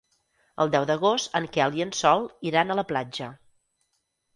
El deu d'agost en Quel i en Sol iran a la platja.